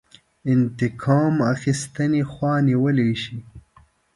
انتقام اخیستنې خوا نیولی شي.